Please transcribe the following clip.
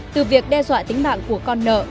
từ việc đe dọa tính mạng của con nợ